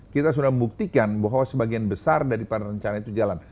kita sudah membuktikan bahwa sebagian besar daripada rencana itu jalan